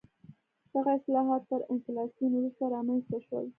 دغه اصلاحات تر انفلاسیون وروسته رامنځته شول.